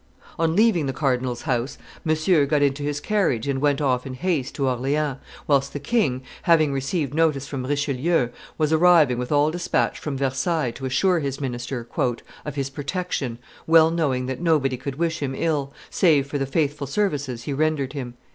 On leaving the cardinal's house, Monsieur got into his carriage and went off in haste to Orleans, whilst the king, having received notice from Richelieu, was arriving with all despatch from Versailles to assure his minister "of his protection, well knowing that nobody could wish him ill, save for the faithful services he rendered him."